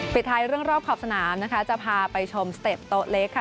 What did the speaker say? ปิดท้ายเรื่องรอบขอบสนามนะคะจะพาไปชมสเต็ปโต๊ะเล็กค่ะ